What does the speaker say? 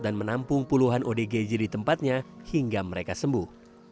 dan menampung puluhan odgj di tempatnya hingga mereka sembuh